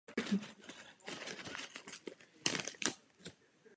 Obhájcem titulu byla španělská světová dvojka Rafael Nadal.